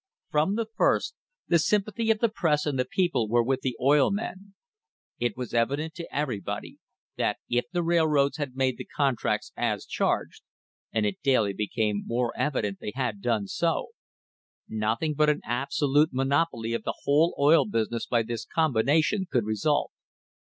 From the first the sympathy of the press and the people were with the oil men. It was evident to everybody that if the railroads had made the contracts as charged (and it daily became more \y THE HISTORY OF THE STANDARD OIL COMPANY evident they had done so), nothing but an absolute monopoly of the whole oil business by this combination could result.